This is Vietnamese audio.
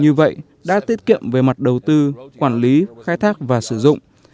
như vậy đã tiết kiệm về mặt đầu tư quản lý khai thác và sử dụng